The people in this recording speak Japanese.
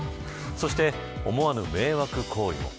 そして、思わぬ迷惑行為も。